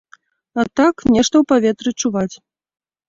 А так, нешта ў паветры чуваць.